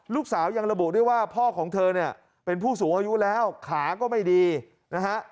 ลูกสาวยังระบุด้วยว่าพ่อของเธอเนี่ยเป็นผู้สูงอายุแล้วขาก็ไม่ดีนะฮะ